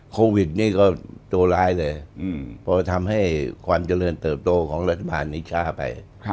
โควิดนี่ก็ตัวร้ายเลยพอทำให้ความเจริญเติบโตของรัฐบาลนี้ช้าไป